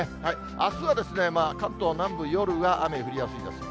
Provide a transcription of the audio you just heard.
あすは関東南部、夜が雨降りやすいです。